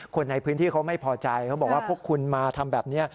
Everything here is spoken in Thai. คนในพื้นที่เขาไม่พอใจเขาบอกว่าพวกคุณมาทำแบบนี้